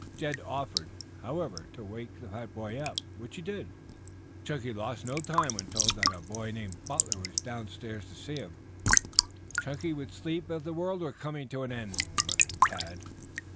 Jed offered, however, to wake the fat boy up, which he did. Chunky lost no time when told that a boy named Butler was downstairs waiting to see him. "Chunky would sleep if the world were coming to an end," muttered Tad.